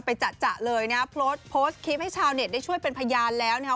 ไปจัดเลยนะเพราะพดคลิปให้ชาวเน็ตได้ช่วยเป็นพยานแล้วนะ